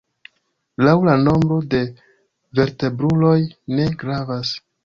Laŭ la nombro la vertebruloj ne gravas.